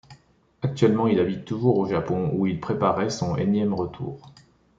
Actuellement, il habite toujours au Japon où il préparerait son énième retour.